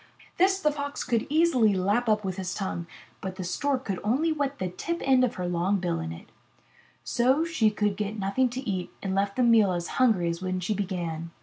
This the Fox could easily lap up with his tongue, but the Stork could only wet the tip end of her long bill in it. So she could get nothing to eat and left the meal as hungry as when she began.